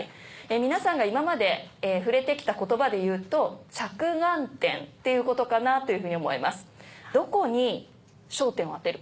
皆さんが今まで触れて来た言葉で言うと着眼点っていうことかなというふうに思います。